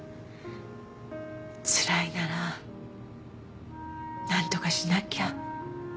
つらいなら何とかしなきゃ